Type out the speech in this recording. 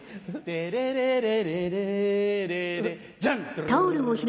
テレレレレレレレジャン！